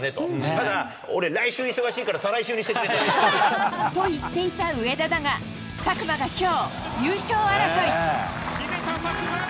ただ俺、来週忙しいから、再来週にしてくれと。と言っていた上田だが、佐久間がきょう優勝争い。